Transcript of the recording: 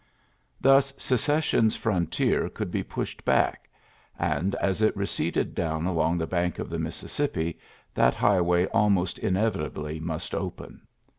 Thus Secession's frontier conld be pushed back ; and, as it receded down along the bank of the Mississippi, that highway almost inevitably must open.